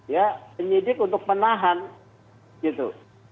ya penyidik untuk menahan gitu